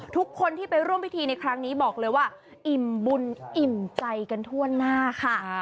ทุกคนที่ไปร่วมพิธีในครั้งนี้บอกเลยว่าอิ่มบุญอิ่มใจกันทั่วหน้าค่ะ